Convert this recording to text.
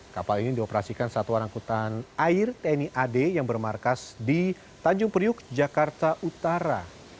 kapal ini dioperasikan satuan angkutan air tni ad yang bermarkas di tanjung priuk jakarta utara